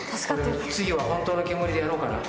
次は本当の煙でやろうかな？